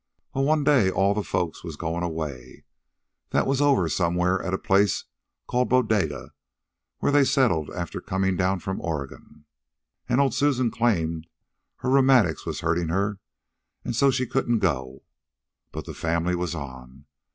Well, one day all the folks was goin' away that was over somewhere at a place called Bodega, where they'd settled after comin' down from Oregon. An' old Susan claimed her rheumatics was hurtin' her an' so she couldn't go. But the family was on.